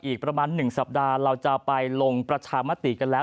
อีกประมาณ๑สัปดาห์เราจะไปลงประชามติกันแล้ว